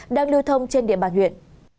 đang lưu thông trên địa bàn huyện